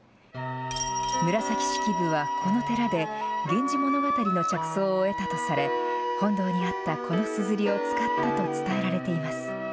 紫式部はこの寺で源氏物語の着想を得たとされ本堂にあったこのすずりを使ったと伝えられています。